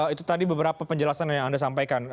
itu tadi beberapa penjelasan yang anda sampaikan